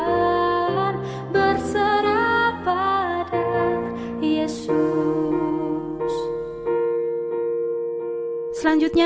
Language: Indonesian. untuk menjaga kemampuan kita